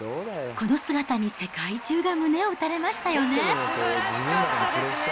この姿に、世界中が胸を打たれましたよね。